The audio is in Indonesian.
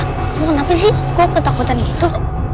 kamu kenapa sih kok ketakutan gitu